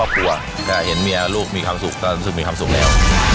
โปรดติดตามตอนต่อไป